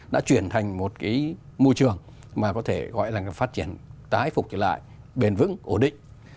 đã chuyển thành một cái môi trường mà có thể gọi là phát triển tái phục trở lại bền vững ổn định